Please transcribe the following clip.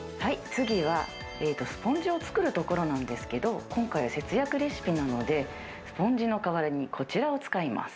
次は、スポンジを作るところなんですけど、今回は節約レシピなので、スポンジの代わりにこちらを使います。